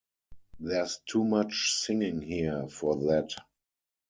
There's too much singing here for that.